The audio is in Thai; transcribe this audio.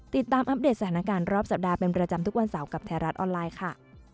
อัปเดตสถานการณ์รอบสัปดาห์เป็นประจำทุกวันเสาร์กับไทยรัฐออนไลน์ค่ะ